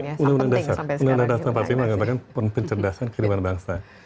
ini undang undang dasar undang undang dasar yang pertama mengatakan pencerdasan kehidupan bangsa